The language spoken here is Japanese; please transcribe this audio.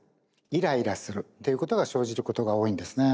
イライラするということが生じることが多いんですね。